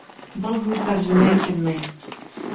Был һүҙ тәржемә ителмәй